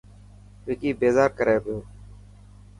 وڪي بيزار ڪري پيو.